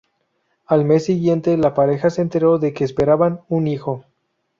Al mes siguiente, la pareja se enteró de que esperaban un hijo.